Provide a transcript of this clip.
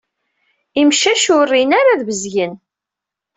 Imcac ur rin ara ad bezgen.